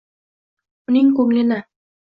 uning koʼnglini